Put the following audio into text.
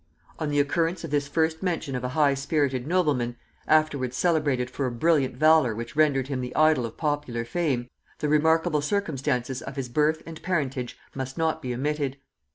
On the occurrence of this first mention of a high spirited nobleman, afterwards celebrated for a brilliant valor which rendered him the idol of popular fame, the remarkable circumstances of his birth and parentage must not be omitted.